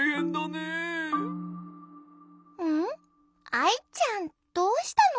アイちゃんどうしたの？